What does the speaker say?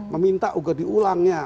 meminta uga diulangnya